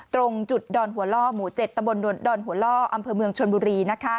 ตรงจุดดอนหัวล่อหมู่๗ตำบลดอนหัวล่ออำเภอเมืองชนบุรี